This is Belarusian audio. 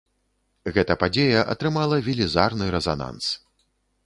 Гэта падзея атрымала велізарны рэзананс.